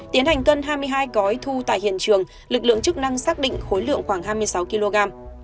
tiến hành cân hai mươi hai gói thu tại hiện trường lực lượng chức năng xác định khối lượng khoảng hai mươi sáu kg